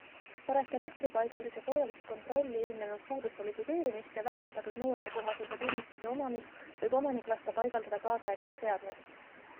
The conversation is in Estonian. Pärast elektripaigaldise korralist kontrolli ilmnenud puuduste likvideerimist ja väljastatud nõuetekohasuse tunnistuse omamist võib omanik lasta paigaldada kaasaegsed seadmed.